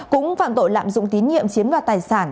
cũng phạm tội lạm dụng tín nhiệm chiếm đoạt tài sản